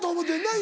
今。